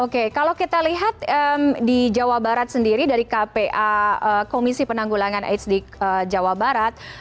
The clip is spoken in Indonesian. oke kalau kita lihat di jawa barat sendiri dari kpa komisi penanggulangan aids di jawa barat